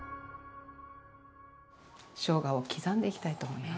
しょうがを刻んでいきたいと思います。